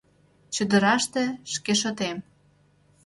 Чодыраште — шке шотем